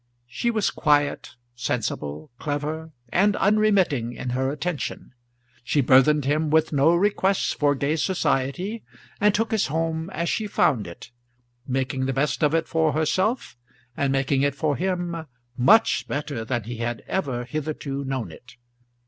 She was quiet, sensible, clever, and unremitting in her attention. She burthened him with no requests for gay society, and took his home as she found it, making the best of it for herself, and making it for him much better than he had ever hitherto known it.